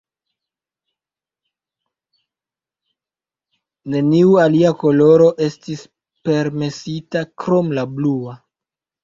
Neniu alia koloro estis permesita, krom la blua.